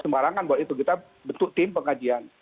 sembarangan bahwa itu kita bentuk tim pengajian